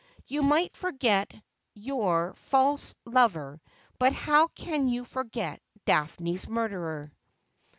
You might forget your false lover, but how can you forget Daphne's murderer